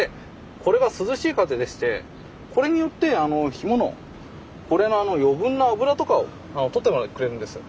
これが涼しい風でしてこれによって干物これの余分な脂とかを取ってくれるんですよ。